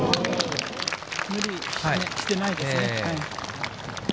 無理してないですね。